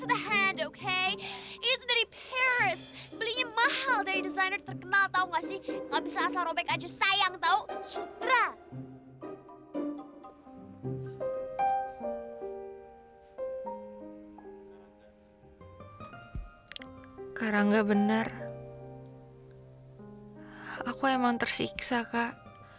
aku emang tersiksa kak